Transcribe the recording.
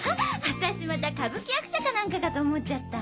私また歌舞伎役者か何かかと思っちゃった。